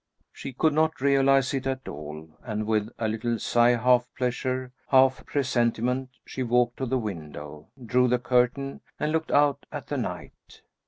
She could not realize it at all; and with a little sigh half pleasure, half presentiment she walked to the window, drew the curtain, and looked out at the night.